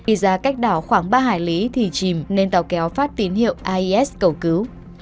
ý ra cách đảo khoảng ba hải lý thì chìm nên tàu kéo phát tín hiệu ais cầu cứu